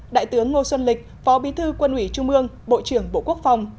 đại tướng ngô xuân lịch phó bí thư quân ủy trung ương bộ trưởng bộ quốc phòng